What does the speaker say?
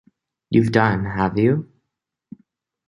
You've done, have you?